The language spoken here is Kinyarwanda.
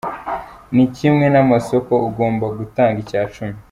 Ni kimwe namasoko ugomba gutanga icyacumi.